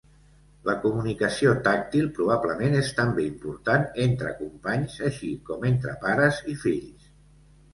La comunicació tàctil probablement és també important entre companys, així com entre pares i fills.